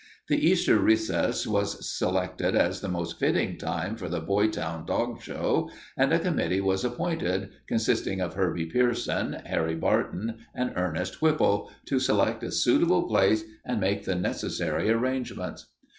The Easter recess was selected as the most fitting time for the Boytown Dog Show and a committee was appointed, consisting of Herbie Pierson, Harry Barton, and Ernest Whipple, to select a suitable place and make the necessary arrangements.